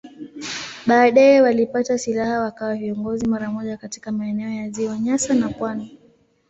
Baadaye walipata silaha wakawa viongozi mara moja katika maeneo ya Ziwa Nyasa na pwani.